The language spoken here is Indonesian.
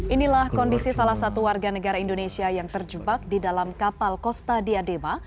inilah kondisi salah satu warga negara indonesia yang terjebak di dalam kapal costa diadema